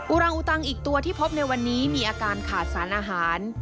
อุรังอุตังอีกตัวที่พบในวันนี้มีอาการขาดสารอาหาร